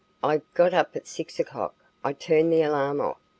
I got up at 6 o'clock. I turned the alarm off.